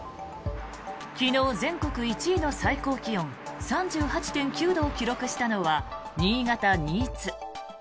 昨日全国１位の最高気温３８．９度を記録したのは新潟・新津。